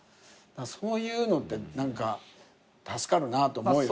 そういうのって何か助かるなと思うよね。